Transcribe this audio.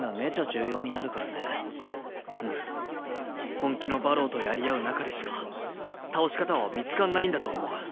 本気の馬狼とやり合う中でしか倒し方は見つかんないんだと思う。